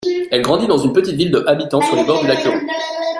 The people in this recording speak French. Elle grandit dans une petite ville de habitants sur les bords du lac Huron.